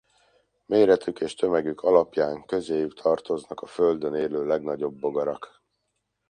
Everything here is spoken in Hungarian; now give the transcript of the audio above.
Méretük és tömegük alapján közéjük tartoznak a Földön élő legnagyobb bogarak.